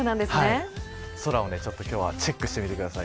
空を今日はチェックしてみてください。